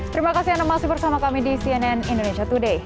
terima kasih anda masih bersama kami di cnn indonesia today